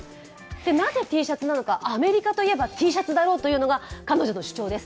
なぜＴシャツなのかアメリカといえばＴシャツだろうというのが彼女の主張です。